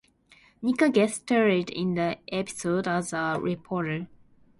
Nika guest-starred in the episode as a reporter.